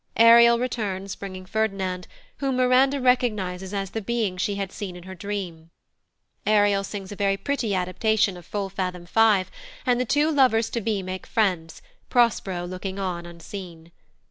Ariel returns bringing Ferdinand, whom Miranda recognises as the being she had seen in her dream. Ariel sings a very pretty adaptation of "Full fathom five," and the two lovers to be make friends, Prospero looking on unseen.